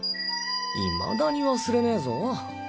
いまだに忘れねぇぞ。